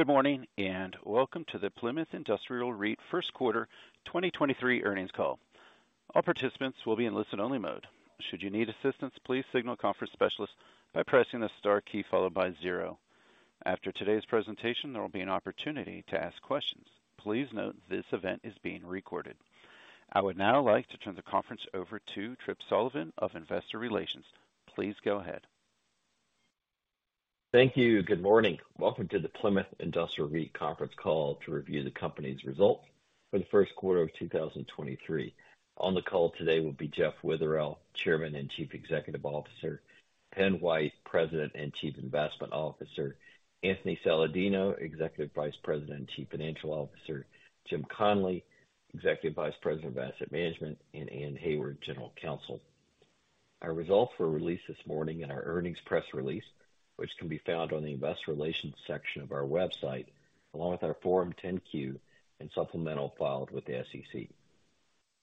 Good morning, and welcome to the Plymouth Industrial REIT First Quarter 2023 earnings call. All participants will be in listen-only mode. Should you need assistance, please signal a conference specialist by pressing the star key followed by zero. After today's presentation, there will be an opportunity to ask questions. Please note this event is being recorded. I would now like to turn the conference over to Tripp Sullivan of Investor Relations. Please go ahead. Thank you. Good morning. Welcome to the Plymouth Industrial REIT conference call to review the company's results for the first quarter of 2023. On the call today will be Jeff Witherell, Chairman and Chief Executive Officer, Pen White, President and Chief Investment Officer, Anthony Saladino, Executive Vice President and Chief Financial Officer, Jim Connolly, Executive Vice President of Asset Management, and Anne Hayward, General Counsel. Our results were released this morning in our earnings press release, which can be found on the investor relations section of our website, along with our Form 10-Q and supplemental filed with the SEC.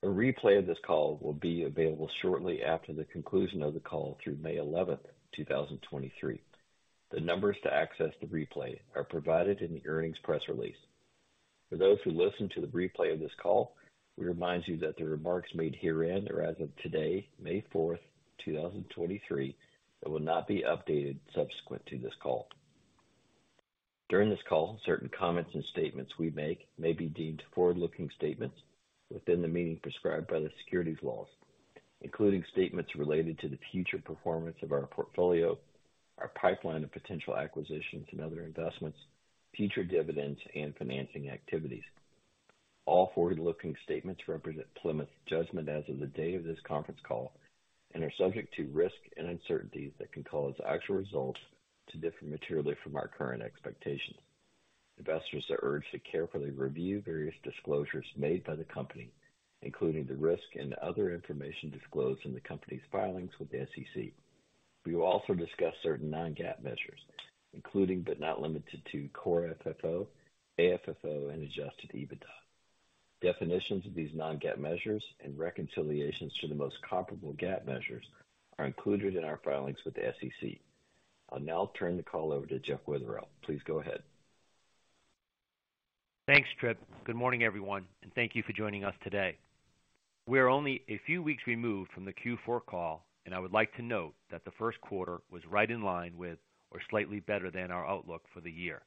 A replay of this call will be available shortly after the conclusion of the call through May 11, 2023. The numbers to access the replay are provided in the earnings press release. For those who listen to the replay of this call, we remind you that the remarks made herein are as of today, May 4th, 2023, and will not be updated subsequent to this call. During this call, certain comments and statements we make may be deemed forward-looking statements within the meaning prescribed by the securities laws, including statements related to the future performance of our portfolio, our pipeline of potential acquisitions and other investments, future dividends, and financing activities. All forward-looking statements represent Plymouth's judgment as of the day of this conference call and are subject to risks and uncertainties that can cause actual results to differ materially from our current expectations. Investors are urged to carefully review various disclosures made by the company, including the risk and other information disclosed in the company's filings with the SEC. We will also discuss certain non-GAAP measures, including, but not limited to Core FFO, AFFO, and Adjusted EBITDA. Definitions of these non-GAAP measures and reconciliations to the most comparable GAAP measures are included in our filings with the SEC. I'll now turn the call over to Jeff Witherell. Please go ahead. Thanks, Tripp. Good morning, everyone, thank you for joining us today. We are only a few weeks removed from the Q4 call, I would like to note that the first quarter was right in line with or slightly better than our outlook for the year.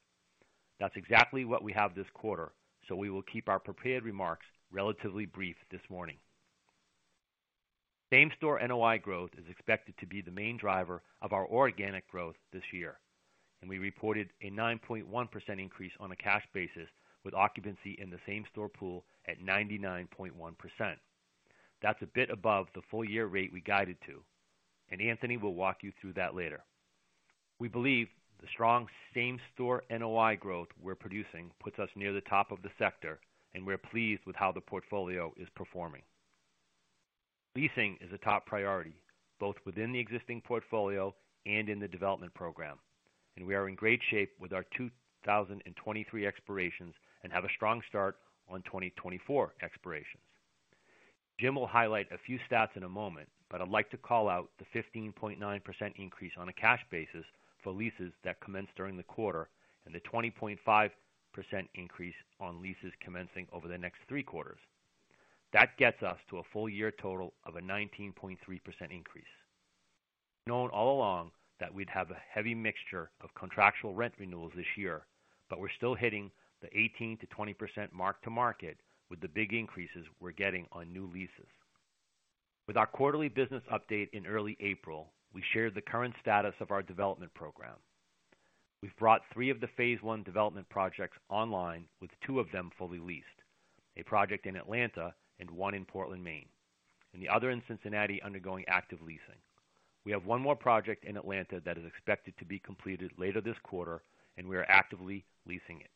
That's exactly what we have this quarter, we will keep our prepared remarks relatively brief this morning. Same-Store NOI growth is expected to be the main driver of our organic growth this year, we reported a 9.1% increase on a cash basis with occupancy in the same-store pool at 99.1%. That's a bit above the full year rate we guided to, Anthony will walk you through that later. We believe the strong Same-Store NOI growth we're producing puts us near the top of the sector, we're pleased with how the portfolio is performing. Leasing is a top priority, both within the existing portfolio and in the development program, and we are in great shape with our 2023 expirations and have a strong start on 2024 expirations. Jim will highlight a few stats in a moment, but I'd like to call out the 15.9% increase on a cash basis for leases that commenced during the quarter and the 20.5% increase on leases commencing over the next three quarters. That gets us to a full year total of a 19.3% increase. Known all along that we'd have a heavy mixture of contractual rent renewals this year, but we're still hitting the 18%-20% mark to market with the big increases we're getting on new leases. With our quarterly business update in early April, we shared the current status of our development program. We've brought three of the phase one development projects online, with two of them fully leased, a project in Atlanta and one in Portland, Maine, and the other in Cincinnati undergoing active leasing. We have one more project in Atlanta that is expected to be completed later this quarter. We are actively leasing it.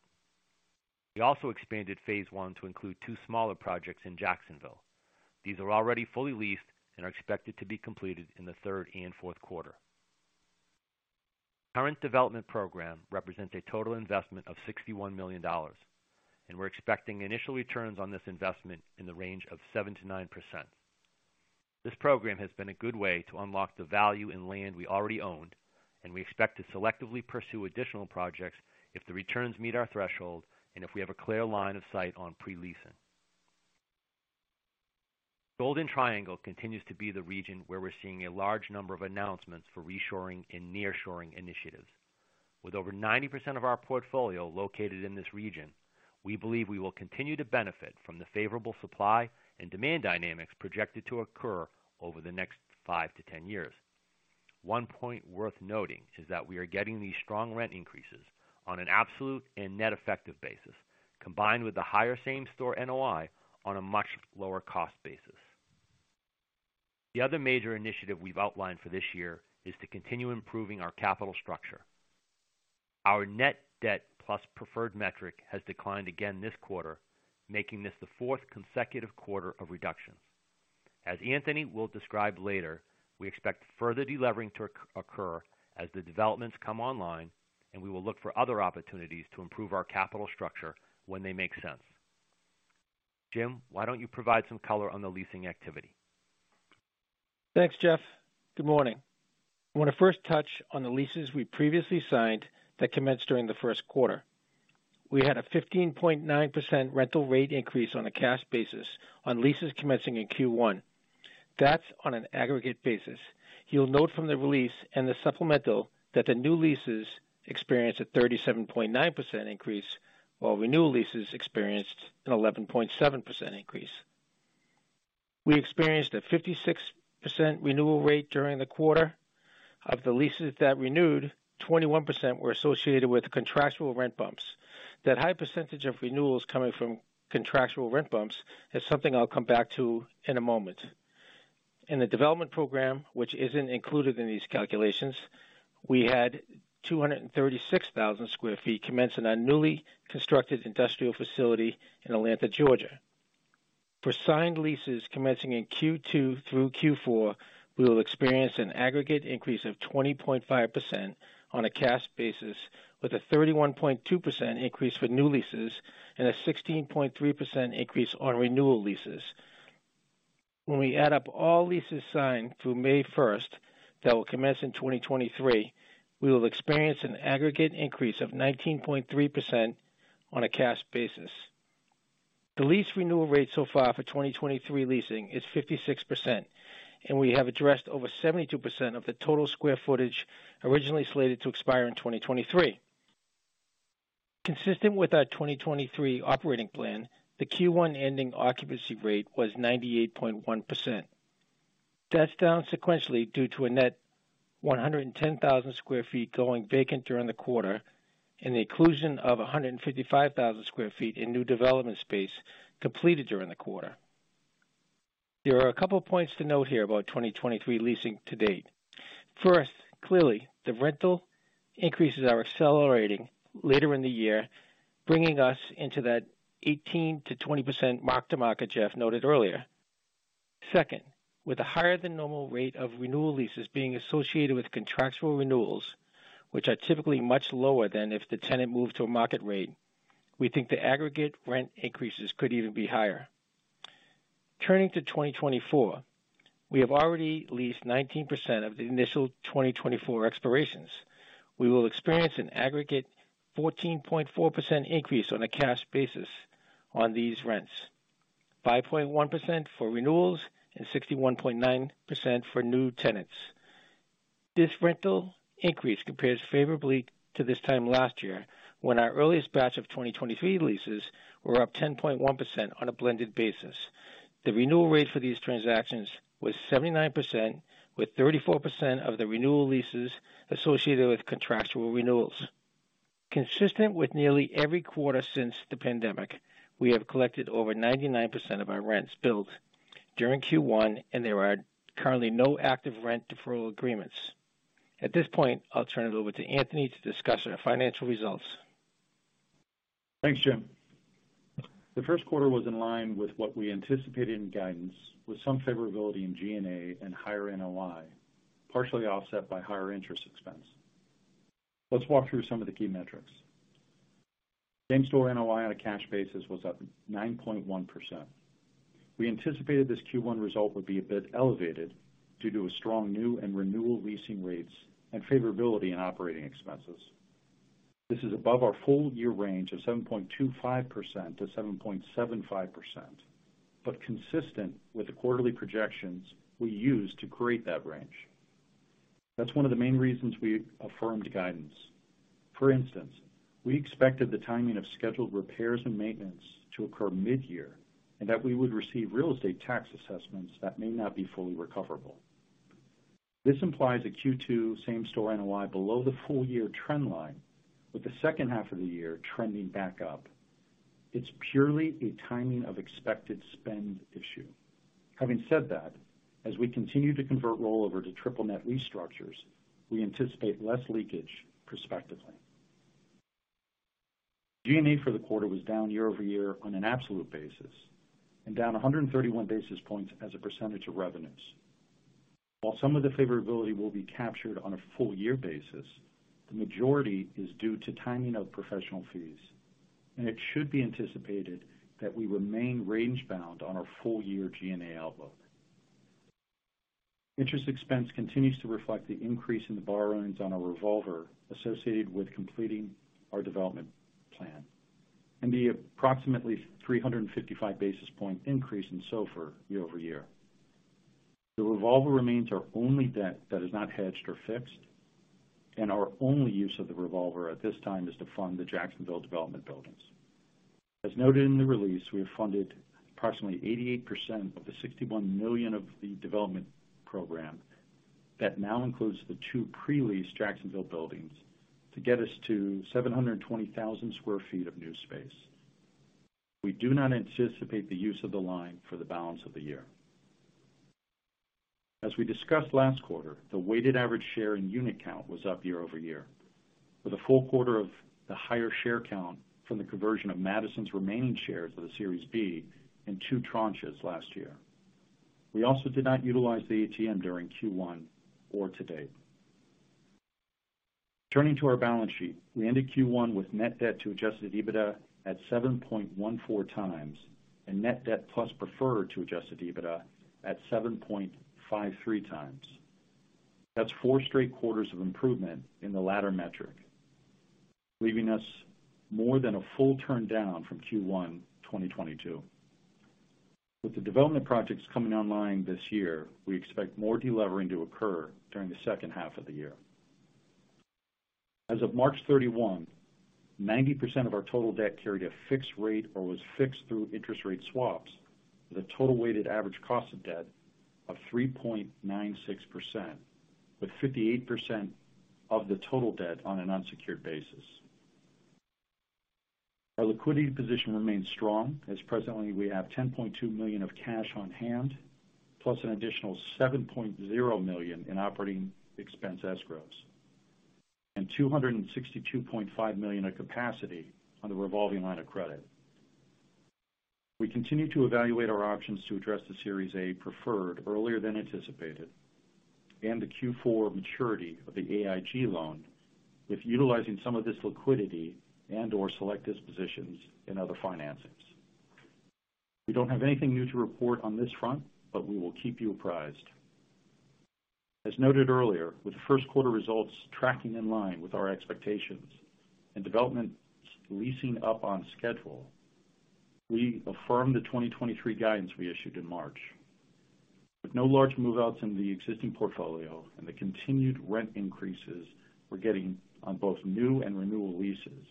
We also expanded phase one to include two smaller projects in Jacksonville. These are already fully leased and are expected to be completed in the third and fourth quarter. Current development program represents a total investment of $61 million, and we're expecting initial returns on this investment in the range of 7%-9%. This program has been a good way to unlock the value in land we already owned, and we expect to selectively pursue additional projects if the returns meet our threshold and if we have a clear line of sight on pre-leasing. Golden Triangle continues to be the region where we're seeing a large number of announcements for reshoring and nearshoring initiatives. With over 90% of our portfolio located in this region, we believe we will continue to benefit from the favorable supply and demand dynamics projected to occur over the next five-10 years. One point worth noting is that we are getting these strong rent increases on an absolute and net effective basis, combined with the higher Same-Store NOI on a much lower cost basis. The other major initiative we've outlined for this year is to continue improving our capital structure. Our Net Debt Plus Preferred metric has declined again this quarter, making this the fourth consecutive quarter of reduction. As Anthony will describe later, we expect further delevering to occur as the developments come online, and we will look for other opportunities to improve our capital structure when they make sense. Jim, why don't you provide some color on the leasing activity? Thanks, Jeff. Good morning. I want to first touch on the leases we previously signed that commenced during the first quarter. We had a 15.9% rental rate increase on a cash basis on leases commencing in Q1. That's on an aggregate basis. You'll note from the release and the supplemental that the new leases experienced a 37.9% increase, while renewal leases experienced an 11.7% increase. We experienced a 56% renewal rate during the quarter. Of the leases that renewed, 21% were associated with contractual rent bumps. That high percentage of renewals coming from contractual rent bumps is something I'll come back to in a moment. In the development program, which isn't included in these calculations, we had 236,000 sq ft commenced in our newly constructed industrial facility in Atlanta, Georgia. For signed leases commencing in Q2 through Q4, we will experience an aggregate increase of 20.5% on a cash basis, with a 31.2% increase for new leases and a 16.3% increase on renewal leases. When we add up all leases signed through May 1st that will commence in 2023, we will experience an aggregate increase of 19.3% on a cash basis. The lease renewal rate so far for 2023 leasing is 56%. We have addressed over 72% of the total square footage originally slated to expire in 2023. Consistent with our 2023 operating plan, the Q1 ending occupancy rate was 98.1%. That's down sequentially due to a net 110,000 sq ft going vacant during the quarter and the inclusion of 155,000 sq ft in new development space completed during the quarter. There are two points to note here about 2023 leasing to date. First, clearly, the rental increases are accelerating later in the year, bringing us into that 18%-20% mark-to-market Jeff noted earlier. Second, with a higher than normal rate of renewal leases being associated with contractual renewals, which are typically much lower than if the tenant moved to a market rate, we think the aggregate rent increases could even be higher. Turning to 2024, we have already leased 19% of the initial 2024 expirations. We will experience an aggregate 14.4% increase on a cash basis on these rents, 5.1% for renewals and 61.9% for new tenants. This rental increase compares favorably to this time last year when our earliest batch of 2023 leases were up 10.1% on a blended basis. The renewal rate for these transactions was 79%, with 34% of the renewal leases associated with contractual renewals. Consistent with nearly every quarter since the pandemic, we have collected over 99% of our rents built during Q1, and there are currently no active rent deferral agreements. At this point, I'll turn it over to Anthony to discuss our financial results. Thanks, Jim. The first quarter was in line with what we anticipated in guidance, with some favorability in G&A and higher NOI, partially offset by higher interest expense. Let's walk through some of the key metrics. Same-Store NOI on a cash basis was up 9.1%. We anticipated this Q1 result would be a bit elevated due to a strong new and renewal leasing rates and favorability in operating expenses. This is above our full-year range of 7.25%-7.75%, but consistent with the quarterly projections we used to create that range. That's one of the main reasons we affirmed guidance. For instance, we expected the timing of scheduled repairs and maintenance to occur mid-year and that we would receive real estate tax assessments that may not be fully recoverable. This implies a Q2 same-store NOI below the full year trend line, with the second half of the year trending back up. It's purely a timing of expected spend issue. Having said that, as we continue to convert rollover to triple net lease structures, we anticipate less leakage prospectively. G&A for the quarter was down year-over-year on an absolute basis and down 131 basis points as a % of revenues. While some of the favorability will be captured on a full year basis, the majority is due to timing of professional fees. It should be anticipated that we remain range bound on our full year G&A outlook. Interest expense continues to reflect the increase in the borrowings on our revolver associated with completing our development plan and the approximately 355 basis point increase in SOFR year-over-year. The revolver remains our only debt that is not hedged or fixed. Our only use of the revolver at this time is to fund the Jacksonville development buildings. As noted in the release, we have funded approximately 88% of the $61 million of the development program that now includes the two pre-leased Jacksonville buildings to get us to 720,000 sq ft of new space. We do not anticipate the use of the line for the balance of the year. As we discussed last quarter, the weighted average share in unit count was up year-over-year, with a full quarter of the higher share count from the conversion of Madison's remaining shares of the Series B in two tranches last year. We also did not utilize the ATM during Q1 or to date. Turning to our balance sheet. We ended Q1 with Net Debt to Adjusted EBITDA at 7.14 times and Net Debt Plus Preferred to Adjusted EBITDA at 7.53 times. That's four straight quarters of improvement in the latter metric, leaving us more than a full turn down from Q1 2022. With the development projects coming online this year, we expect more de-levering to occur during the second half of the year. As of March 31, 90% of our total debt carried a fixed rate or was fixed through interest rate swaps with a total weighted average cost of debt of 3.96%, with 58% of the total debt on an unsecured basis. Our liquidity position remains strong as presently we have $10.2 million of cash on hand, plus an additional $7.0 million in operating expense escrows and $262.5 million of capacity on the revolving line of credit. We continue to evaluate our options to address the Series A Preferred earlier than anticipated and the Q4 maturity of the AIG loan with utilizing some of this liquidity and/or select dispositions in other financings. We don't have anything new to report on this front, we will keep you apprised. As noted earlier, with the first quarter results tracking in line with our expectations and development leasing up on schedule, we affirm the 2023 guidance we issued in March. With no large move-outs in the existing portfolio and the continued rent increases we're getting on both new and renewal leases,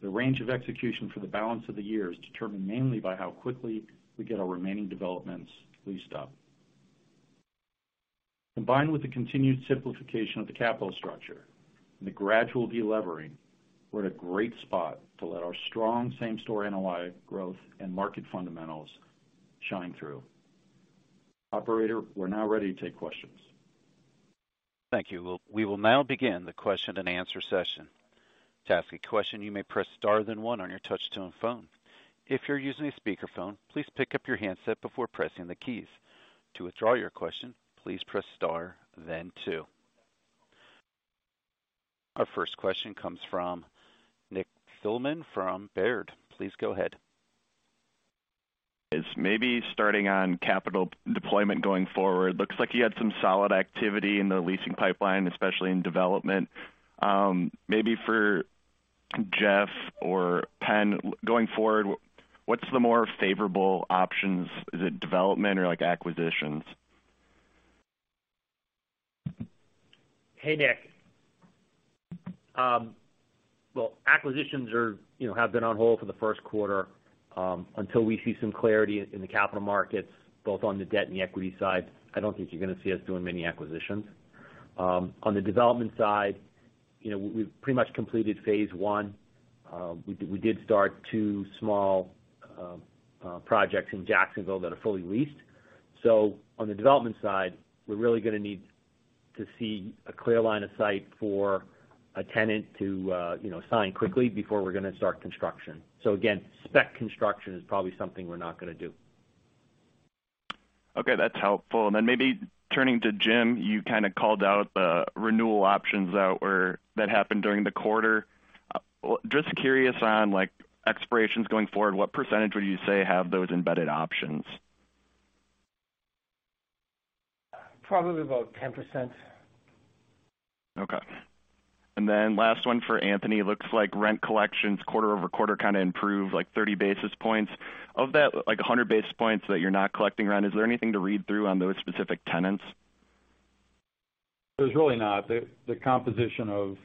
the range of execution for the balance of the year is determined mainly by how quickly we get our remaining developments leased up. Combined with the continued simplification of the capital structure and the gradual de-levering, we're at a great spot to let our strong Same-Store NOI growth and market fundamentals shine through. Operator, we're now ready to take questions. Thank you. We will now begin the question and answer session. To ask a question, you may press star then on on your touch tone phone. If you're using a speakerphone, please pick up your handset before pressing the keys. To withdraw your question, please press star then two. Our first question comes from Nick Thillman from Baird. Please go ahead. It's maybe starting on capital deployment going forward. Looks like you had some solid activity in the leasing pipeline, especially in development. Maybe for Jeff or Pen, going forward, what's the more favorable options, is it development or, like, acquisitions? Hey, Nick. Well, acquisitions are, you know, have been on hold for the first quarter. Until we see some clarity in the capital markets, both on the debt and the equity side, I don't think you're gonna see us doing many acquisitions. On the development side, you know, we've pretty much completed phase one. We did start two small projects in Jacksonville that are fully leased. On the development side, we're really gonna need to see a clear line of sight for a tenant to, you know, sign quickly before we're gonna start construction. Again, spec construction is probably something we're not gonna do. Okay, that's helpful. Maybe turning to Jim, you kind of called out the renewal options that happened during the quarter. Just curious on, like, expirations going forward, what % would you say have those embedded options? Probably about 10%. Okay. Then last one for Anthony. Looks like rent collections quarter-over-quarter kind of improved like 30 basis points. Of that, like 100 basis points that you're not collecting rent. Is there anything to read through on those specific tenants? There's really not. The composition of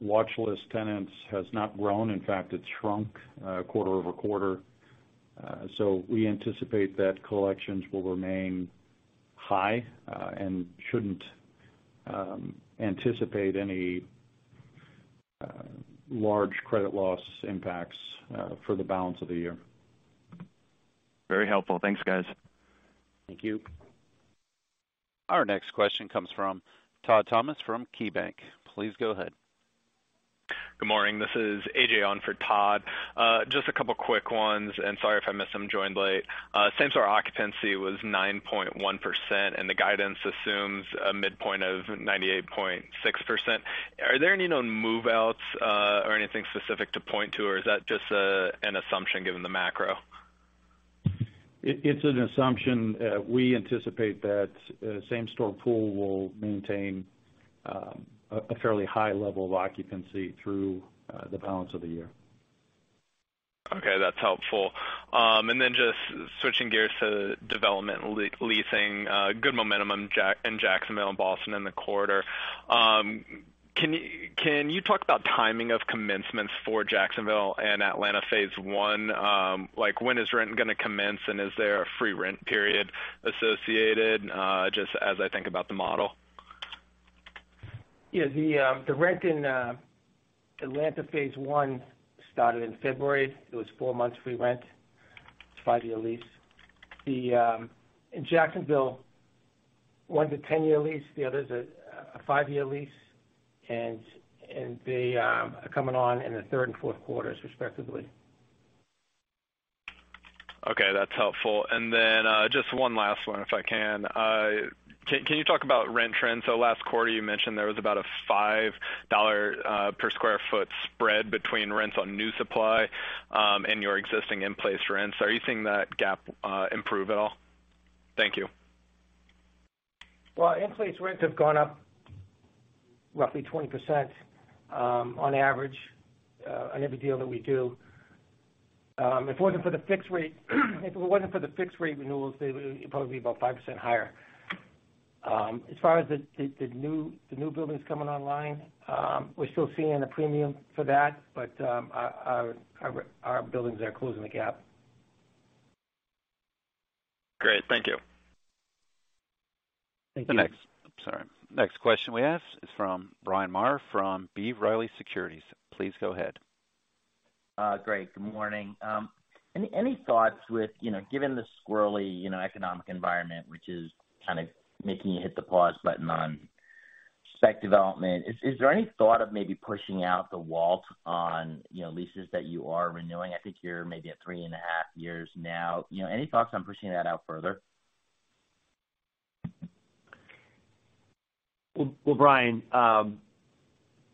watch list tenants has not grown. In fact, it's shrunk, quarter-over-quarter. We anticipate that collections will remain high, and shouldn't anticipate any large credit loss impacts for the balance of the year. Very helpful. Thanks, guys. Thank you. Our next question comes from Todd Thomas from KeyBanc. Please go ahead. Good morning. This is AJ on for Todd. Just a couple of quick ones, sorry if I missed them joining late. Same-store occupancy was 9.1%. The guidance assumes a midpoint of 98.6%. Are there any known move-outs, or anything specific to point to, or is that just an assum ption given the macro? It's an assumption. We anticipate that same-store pool will maintain a fairly high level of occupancy through the balance of the year. Okay, that's helpful. Just switching gears to development leasing, good momentum in Jacksonville and Boston in the quarter. Can you talk about timing of commencements for Jacksonville and Atlanta phase 1? Like, when is rent gonna commence, and is there a free rent period associated? Just as I think about the model. Yeah, the rent in Atlanta phase one started in February. It was four months free rent, five-year lease. The in Jacksonville, one's a 10-year lease, the other's a five-year lease, and they are coming on in the third and fourth quarters, respectively. Okay, that's helpful. Just one last one if I can. Can you talk about rent trends? Last quarter, you mentioned there was about a $5 per sq ft spread between rents on new supply and your existing in-place rents. Are you seeing that gap improve at all? Thank you. Well, in-place rents have gone up roughly 20% on average on every deal that we do. If it wasn't for the fixed rate, if it wasn't for the fixed rate renewals, they would probably be about 5% higher. As far as the new buildings coming online, we're still seeing a premium for that. Our buildings are closing the gap. Great. Thank you. Thank you. Next question we ask is from Bryan Maher from B. Riley Securities. Please go ahead. Great. Good morning. Any thoughts with, you know, given the squirrely, you know, economic environment, which is kind of making you hit the pause button on spec development, is there any thought of maybe pushing out the walls on, you know, leases that you are renewing? I think you're maybe at three and a half years now. You know, any thoughts on pushing that out further? Well, Bryan, I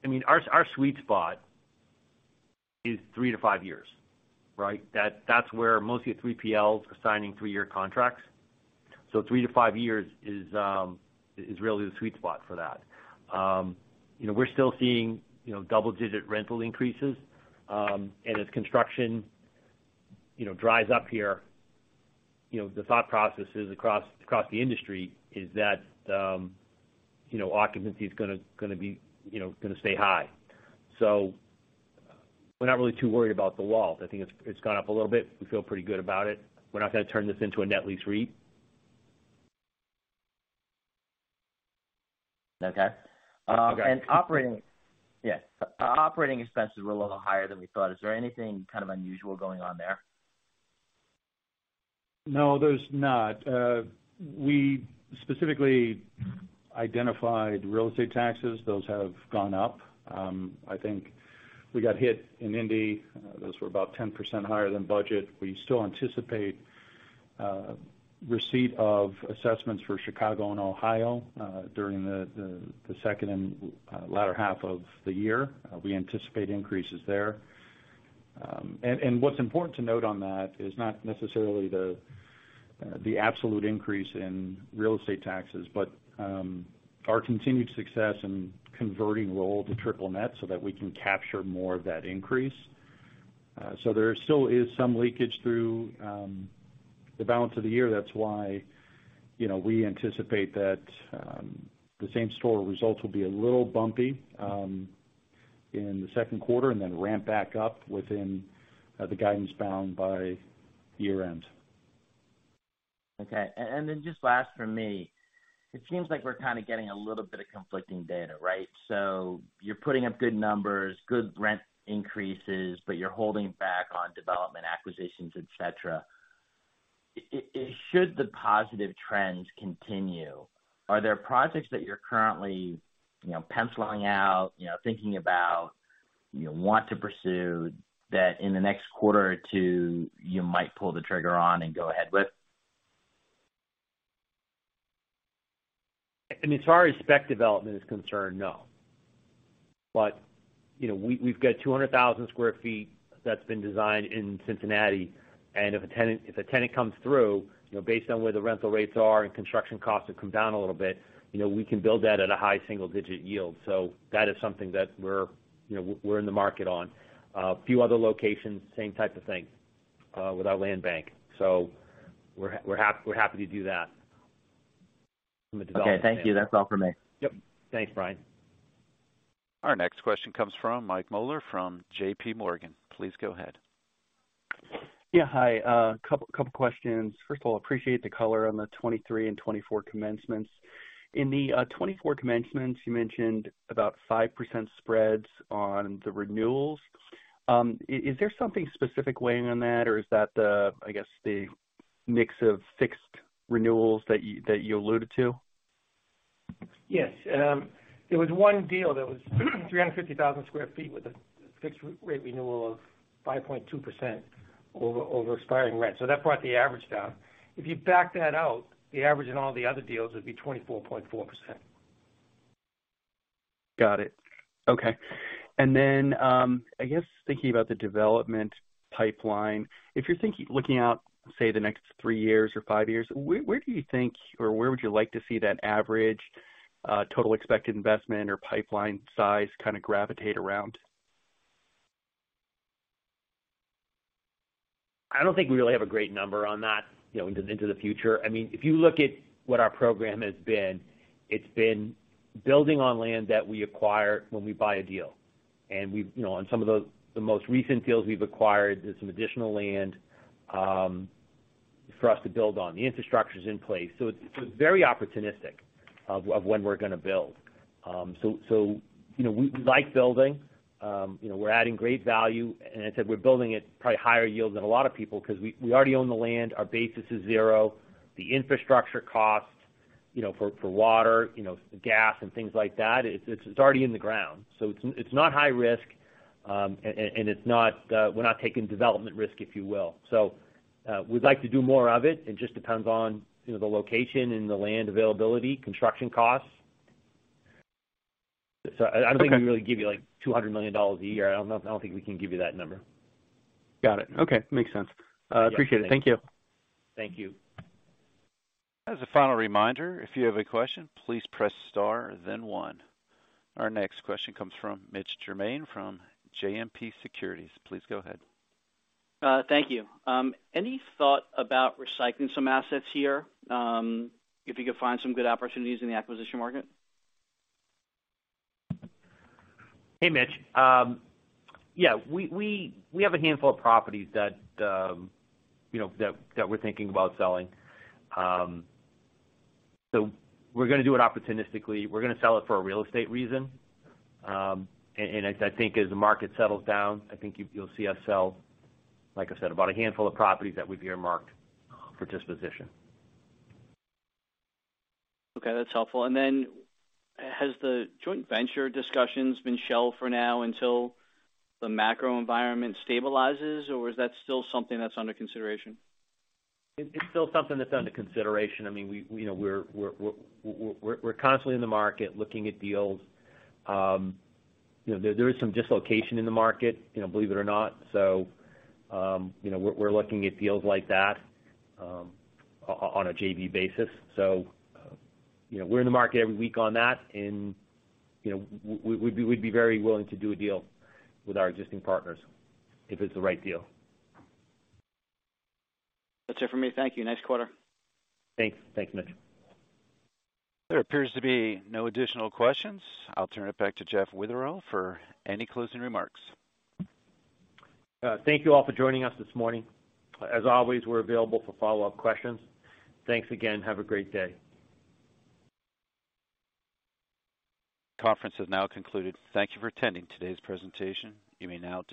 mean, our sweet spot is three-five years, right? That's where mostly 3PLs are signing three-year contracts. Three-five years is really the sweet spot for that. You know, we're still seeing, you know, double-digit rental increases. As construction, you know, dries up here, you know, the thought process is across the industry is that, you know, occupancy is gonna be, you know, gonna stay high. We're not really too worried about the walls. I think it's gone up a little bit. We feel pretty good about it. We're not gonna turn this into a net lease REIT. Okay. Okay. Yes. Operating expenses were a little higher than we thought. Is there anything kind of unusual going on there? No, there's not. We specifically identified real estate taxes. Those have gone up. I think we got hit in Indy. Those were about 10% higher than budget. We still anticipate receipt of assessments for Chicago and Ohio during the second and latter half of the year. We anticipate increases there. And, and what's important to note on that is not necessarily the absolute increase in real estate taxes, but our continued success in converting roll to triple net so that we can capture more of that increase. There still is some leakage through the balance of the year. That's why, you know, we anticipate that the Same-Store results will be a little bumpy in the second quarter, and then ramp back up within the guidance bound by year-end. Okay. Just last from me, it seems like we're kind of getting a little bit of conflicting data, right? You're putting up good numbers, good rent increases, but you're holding back on development acquisitions, et cetera. Is should the positive trends continue, are there projects that you're currently, you know, penciling out, you know, thinking about, you want to pursue that in the next quarter or two, you might pull the trigger on and go ahead with? I mean, as far as spec development is concerned, no. you know, we've got 200,000 sq ft that's been designed in Cincinnati. If a tenant comes through, you know, based on where the rental rates are and construction costs have come down a little bit, you know, we can build that at a high single digit yield. That is something that we're, you know, we're in the market on. A few other locations, same type of thing, with our land bank. We're happy to do that from a development standpoint. Okay, thank you. That's all for me. Yep. Thanks, Bryan. Our next question comes from Michael Mueller from J.P. Morgan. Please go ahead. Yeah. Hi. A couple questions. First of all, appreciate the color on the 2023 and 2024 commencements. In the 2024 commencements, you mentioned about 5% spreads on the renewals. Is there something specific weighing on that, or is that the, I guess, the mix of fixed renewals that you alluded to? Yes. It was one deal that was 350,000 sq ft with a fixed re-rate renewal of 5.2% over expiring rent. That brought the average down. If you back that out, the average in all the other deals would be 24.4%. Got it. Okay. I guess thinking about the development pipeline, if you're looking out, say, the next three years or five years, where do you think or where would you like to see that average, total expected investment or pipeline size kind of gravitate around? I don't think we really have a great number on that, you know, into the future. I mean, if you look at what our program has been, it's been building on land that we acquire when we buy a deal. you know, on some of the most recent deals we've acquired, there's some additional land for us to build on. The infrastructure's in place, so it's very opportunistic of when we're gonna build. So, you know, we like building. You know, we're adding great value. As I said, we're building at probably higher yields than a lot of people 'cause we already own the land. Our basis is zero. The infrastructure costs, you know, for water, you know, gas and things like that, it's already in the ground. It's not high risk. And we're not taking development risk, if you will. We'd like to do more of it. It just depends on, you know, the location and the land availability, construction costs. I don't think we can really give you, like, $200 million a year. I don't think we can give you that number. Got it. Okay. Makes sense. Yeah. Appreciate it. Thank you. Thank you. As a final reminder, if you have a question, please press star then one. Our next question comes from Mitch Germain from JMP Securities. Please go ahead. Thank you. Any thought about recycling some assets here, if you could find some good opportunities in the acquisition market? Hey, Mitch. Yeah, we have a handful of properties that, you know, that we're thinking about selling. We're gonna do it opportunistically. We're gonna sell it for a real estate reason. I think as the market settles down, I think you'll see us sell, like I said, about a handful of properties that we've earmarked for disposition. Okay, that's helpful. Has the joint venture discussions been shelved for now until the macro environment stabilizes, or is that still something that's under consideration? It's still something that's under consideration. I mean, we, you know, we're constantly in the market looking at deals. you know, there is some dislocation in the market, you know, believe it or not. you know, we're looking at deals like that, on a JV basis. you know, we're in the market every week on that and, you know, we'd be very willing to do a deal with our existing partners if it's the right deal. That's it for me. Thank you. Nice quarter. Thanks. Thanks, Mitch. There appears to be no additional questions. I'll turn it back to Jeff Witherell for any closing remarks. Thank you all for joining us this morning. As always, we're available for follow-up questions. Thanks again. Have a great day. Conference has now concluded. Thank you for attending today's presentation. You may now disconnect.